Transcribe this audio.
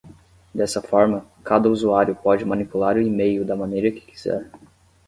Dessa forma, cada usuário pode manipular o email da maneira que quiser.